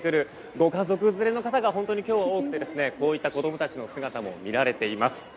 ご家族連れの方が本当に今日は多くてこういった子供たちの姿も見られています。